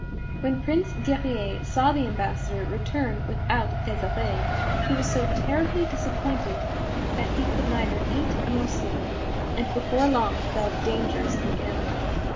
When Prince Guerrier saw the ambassador return without Desirée, he was so terribly disappointed that he could neither eat nor sleep, and before long fell dangerously ill.